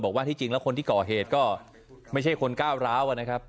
ว่าที่จริงแล้วคนที่ก่อเหตุก็ไม่ใช่คนก้าวร้าวนะครับ